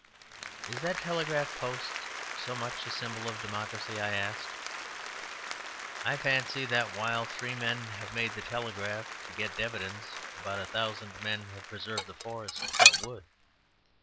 "Is that telegraph post so much a symbol of democracy?" I asked. "I fancy that while three men have made the telegraph to get dividends, about a thousand men have preserved the forest to cut wood.